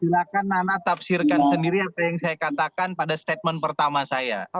silahkan nana tafsirkan sendiri apa yang saya katakan pada statement pertama saya